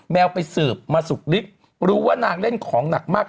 แมวไปเสือบมาสุกลิฟท์รู้ว่านางเล่นของหนักมาก